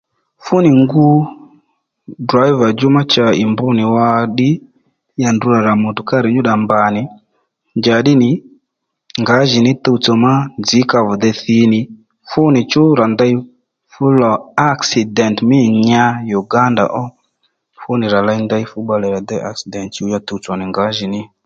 Fúnì ngu drǐvà djú má cha ì mbr nì wá ddí ya ndrǔ nì rǎ mùtùkárì nyúddà mbà nì njàddí nì ngǎjìní tuwtsò má nzǐ ka vì dey thǐ nì fúnì chú rà ndey fú lo aksìdènt mî nya Uganda ó fúnì rà ley ndey fú bbalè rà dey aksìdènt chùw ya tuwtsò nì ngǎjìní